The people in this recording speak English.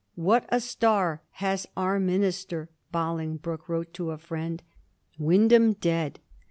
" What a star has our Minister," Bolingbroke wrote to a friend —" Wyndham dead